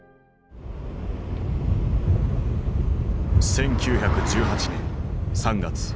１９１８年３月。